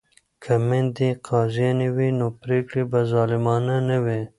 که میندې قاضیانې وي نو پریکړې به ظالمانه نه وي.